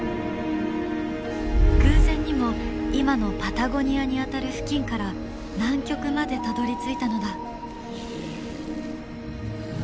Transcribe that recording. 偶然にも今のパタゴニアにあたる付近から南極までたどりついたのだ。